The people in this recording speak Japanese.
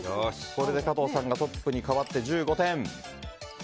加藤さんがトップに変わって１５点。